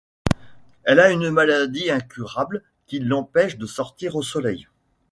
Elle a une maladie incurable qui l'empêche de sortir au soleil.